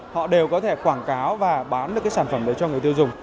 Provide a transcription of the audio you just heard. họ đều có thể quảng cáo và bán được cái sản phẩm đấy cho người tiêu dùng